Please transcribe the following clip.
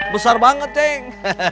besar banget ceng